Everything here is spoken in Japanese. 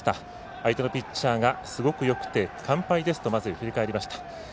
相手のピッチャーがすごくよくて完敗ですと振り返りました。